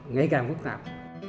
ngày càng khó khăn